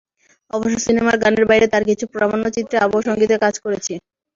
অবশ্য সিনেমার গানের বাইরে তাঁর কিছু প্রামাণ্যচিত্রে আবহ সংগীতের কাজ করেছি।